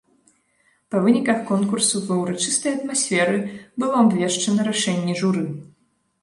Па выніках конкурсу ва ўрачыстай атмасферы было абвешчана рашэнне журы.